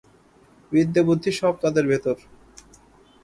বিদ্যে বুদ্ধি সব তাদের ভেতর।